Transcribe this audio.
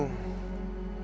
nyara ketahuan lagi